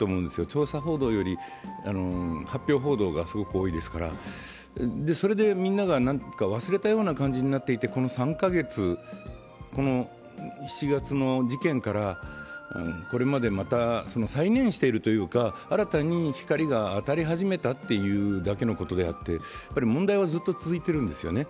調査報道より発表報道がすごく多いですから、それでみんなが忘れたような感じになっていて、この３か月、７月の事件からこれまでまた再燃しているというか新たに光が当たり始めたというだけのことであって問題はずっと続いているんですよね。